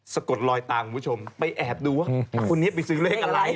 กดลอยตามคุณผู้ชมไปแอบดูว่าคนนี้ไปซื้อเลขอะไร